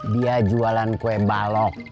dia jualan kue balok